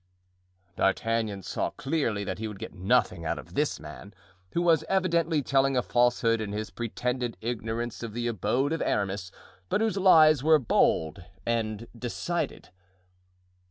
D'Artagnan saw clearly that he would get nothing out of this man, who was evidently telling a falsehood in his pretended ignorance of the abode of Aramis, but whose lies were bold and decided.